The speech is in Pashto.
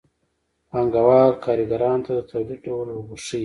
پانګوال کارګرانو ته د تولید ډول ورښيي